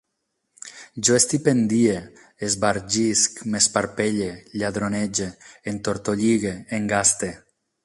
Jo estipendie, esbargisc, m'esparpelle, lladronege, entortolligue, engaste